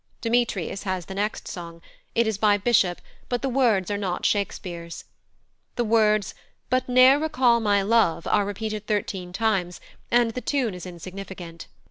Demetrius has the next song: it is by Bishop, but the words are not Shakespeare's. The words, "But ne'er recall my love," are repeated thirteen times, and the tune is insignificant.